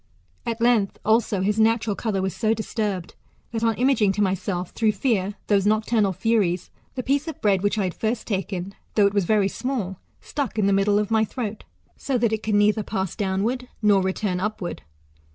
At length also his natural colour was so disturbed that on imaging to myself, through fear, those nocturnal furies, the piece of bread which I had first taken, though it was very small, stuck in the middle of my throat so that it could neither pass downward nor return up ward.